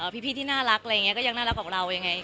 พี่ที่น่ารักก็ยังน่ารักกว่าเรายังไง